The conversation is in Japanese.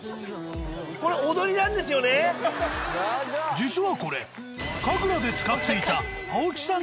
実はこれ神楽で使っていた青木さん